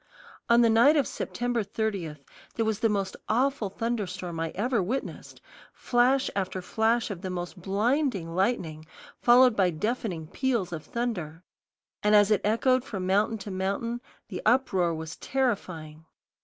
On the night of September 30, there was the most awful thunderstorm I ever witnessed, flash after flash of the most blinding lightning, followed by deafening peals of thunder; and as it echoed from mountain to mountain the uproar was terrifying.